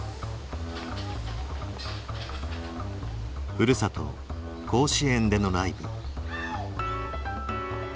ふるさと甲子園でのライブ。